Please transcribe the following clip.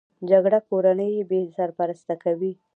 جګړه کورنۍ بې سرپرسته کوي